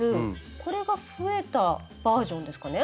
これが増えたバージョンですかね？